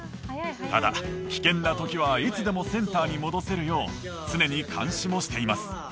ただ危険な時はいつでもセンターに戻せるよう常に監視もしています